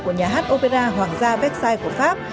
của nhà hát opera hoàng gia vetsai của pháp